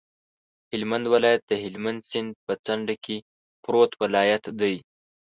هلمند ولایت د هلمند سیند په څنډه کې پروت ولایت دی.